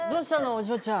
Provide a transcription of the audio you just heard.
お嬢ちゃん。